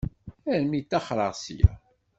Armi ṭṭaxreɣ ssya.